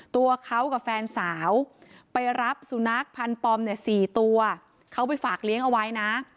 ตัวเขากับแฟนสาวไปรับสุนัขพันธ์ปอมเนี่ย๔ตัวเขาไปฝากเลี้ยงเอาไว้นะ